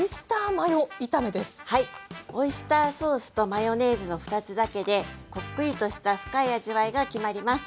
オイスターソースとマヨネーズの２つだけでこっくりとした深い味わいが決まります。